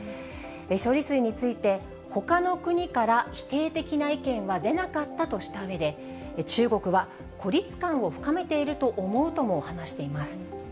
処理水について、ほかの国から否定的な意見は出なかったとしたうえで、中国は孤立感を深めていると思うとも話しています。